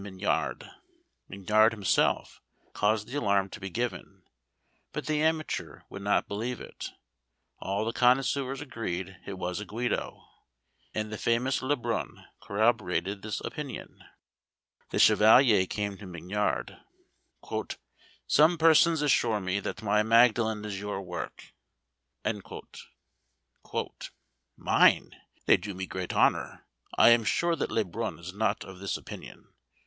Mignard himself caused the alarm to be given, but the amateur would not believe it; all the connoisseurs agreed it was a Guido, and the famous Le Brun corroborated this opinion. The chevalier came to Mignard: "Some persons assure me that my Magdalen is your work!" "Mine! they do me great honour. I am sure that Le Brun is not of this opinion."